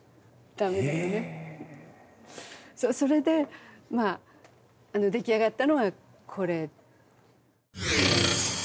それでまあ出来上がったのがこれ。